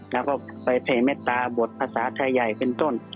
แล้วก็ไปเทเมตตาบทภาษาไทยใหญ่เป็นต้น